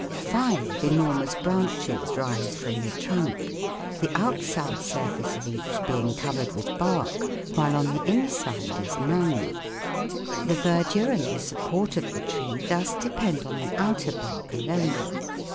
Five enormous branches rise from the trunk, the outside surface of each being covered with bark, while on the inside is none. The verdure and the support of the tree thus depend on the outer bark alone.